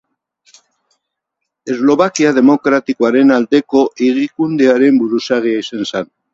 Eslovakia Demokratikoaren aldeko Higikundearen buruzagia izan zen.